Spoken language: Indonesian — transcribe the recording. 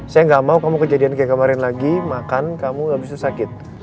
saya gak mau kamu kejadian kayak kemarin lagi makan kamu gak bisa sakit